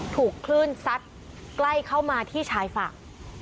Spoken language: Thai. ถูกคลื่นซัดใกล้เข้ามาที่ชายฝั่ง